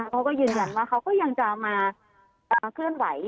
เขาก็ยืนยันว่าเขาก็ยังจะมาเคลื่อนไหว